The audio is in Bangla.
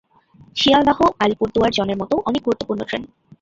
সিয়ালদাহ-আলিপুরদুয়ার জনের মতো অনেক গুরুত্বপূর্ণ ট্রেন।